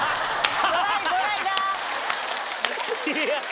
ドライドライだ！